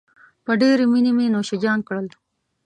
په ډېرې مينې مې نوشیجان کړل.